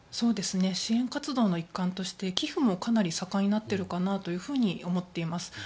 支援活動の一環として寄付も、かなり盛んになっているかなと思っています。